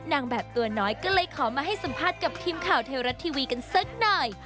นางแบบตัวน้อยก็เลยขอมาให้สัมภาษณ์กับทีมข่าวไทยรัฐทีวีกันสักหน่อย